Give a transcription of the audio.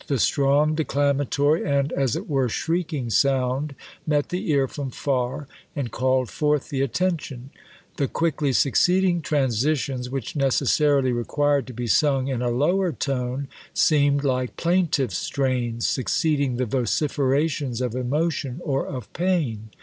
The strong declamatory, and, as it were, shrieking sound, met the ear from far, and called forth the attention; the quickly succeeding transitions, which necessarily required to be sung in a lower tone, seemed like plaintive strains succeeding the vociferations of emotion or of pain.